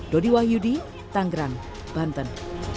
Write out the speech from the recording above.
dodi wahyudi tanggerang banten